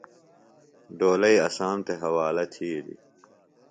ڈولئی اسام تھےۡ حوالہ تھیلیۡ۔